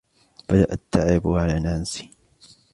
بدا التعب على نانسي.